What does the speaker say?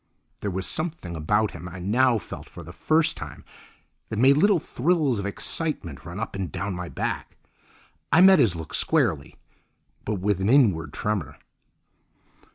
There was something about him I now felt for the first time that made little thrills of excitement run up and down my back. I met his look squarely, but with an inward tremor.